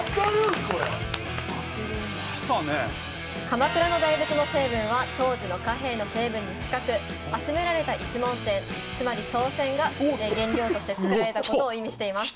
鎌倉の大仏の成分は当時の貨幣の成分に近く集められた一文銭つまり宋銭が原料として造られたことを意味しています。